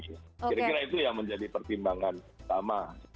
kira kira itu yang menjadi pertimbangan utama